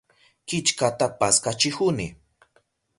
Killkata paskachihuni.